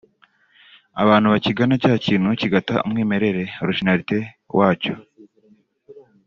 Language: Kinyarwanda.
abantu bakigana cya kintu kigata umwimerere (originalité) wacyo